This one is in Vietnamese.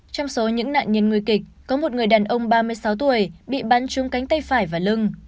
trong số những nạn nhân nguy kịch có một người đàn ông ba mươi sáu tuổi bị bắn trúng cánh tay phải và lưng